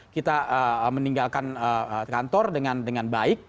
kita meninggalkan kantor dengan baik